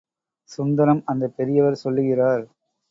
சுந்தரம் அந்தப் பெரியவர் சொல்லுகிறார்.